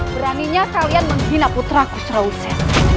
beraninya kalian menghina putraku serausia